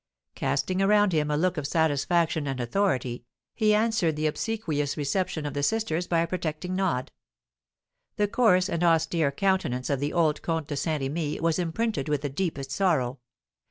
Casting around him a look of satisfaction and authority, he answered the obsequious reception of the sisters by a protecting nod. The coarse and austere countenance of the old Comte de Saint Remy was imprinted with the deepest sorrow.